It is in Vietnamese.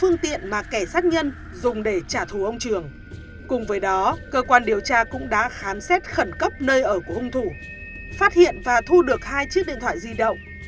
nạn nhân dùng để trả thù ông trường cùng với đó cơ quan điều tra cũng đã khám xét khẩn cấp nơi ở của hung thủ phát hiện và thu được hai chiếc điện thoại di động